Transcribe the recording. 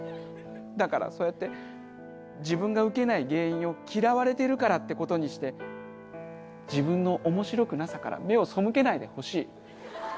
だからそうやって自分がウケない原因を嫌われてるからって事にして自分の面白くなさから目をそむけないでほしい。